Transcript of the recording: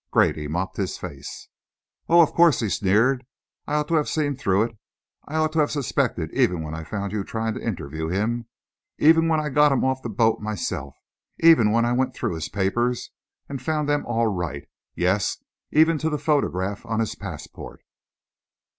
Grady mopped his face. "Oh, of course!" he sneered. "I ought to have seen through it! I ought to have suspected, even when I found you tryin' to interview him; even when I got him off the boat myself; even when I went through his papers and found them all right yes, even to the photograph on his passport!